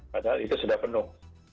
padahal itu sudah penuh